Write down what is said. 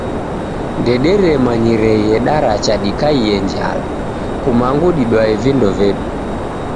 Ndederemayireghe daracha dikaie njala. Kumangu didwae vindo vedu.